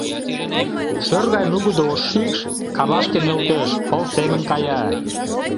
Шӧр гай нугыдо ош шикш кавашке нӧлтеш, пыл семын кая.